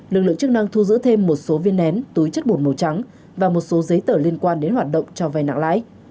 lực lượng chức năng thu giữ thêm một số viên nén túi chất bột màu trắng và một số giấy tờ liên quan đến hoạt động cho vai nặng lãi